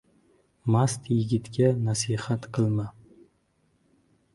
— Mast yigitga nasihat qilma.